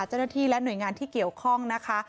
เจ้าหน้าที่และหน่วยงานที่เกี่ยวข้องนะคะ